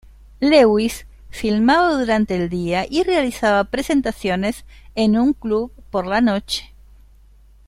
Lewis filmaba durante el día y realizaba presentaciones en un club por la noche.